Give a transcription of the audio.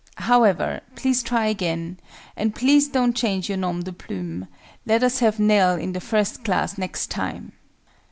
However, please try again: and please don't change your nom de plume: let us have NELL in the First Class next time!